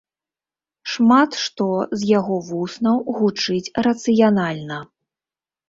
Шмат што з яго вуснаў гучыць рацыянальна.